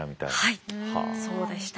はいそうでした。